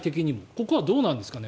ここはどうなんですかね？